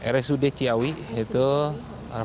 rsud ciawi itu luka ringan